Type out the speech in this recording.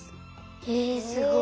へえすごい。